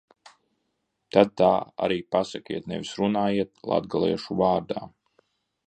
Tad tā arī pasakiet, nevis runājiet latgaliešu vārdā.